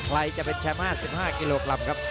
ใครจะเป็นแชมป์๕๕กิโลกรัมครับ